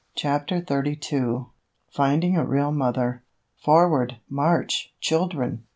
CHAPTER XXXII FINDING A REAL MOTHER "Forward! March! Children!"